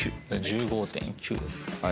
１５．９です。